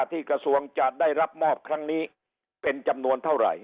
ที่กระทรวงจะได้รับมอบครั้งนี้เป็นจำนวนเท่าไหร่